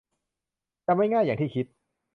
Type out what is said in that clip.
จะไม่ง่ายอย่างที่คิด